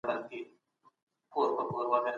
ژباړه ماشومانو ته اسانه ده.